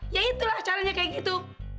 ya itulah caranya kayak gitu